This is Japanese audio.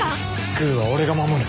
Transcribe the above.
グーは俺が守る。